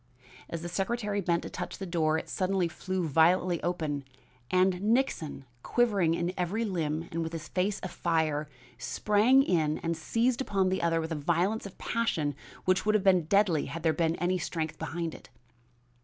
As the secretary bent to touch the door it suddenly flew violently open and Nixon, quivering in every limb and with his face afire, sprang in and seized upon the other with a violence of passion which would have been deadly had there been any strength behind it.